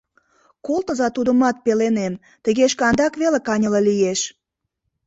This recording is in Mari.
Колтыза тудымат пеленем, тыге шкандак веле каньыле лиеш.